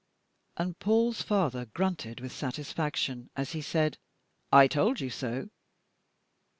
And Paul's father grunted with satisfaction as he said: "I told you so."